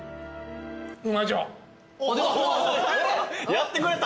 やってくれた。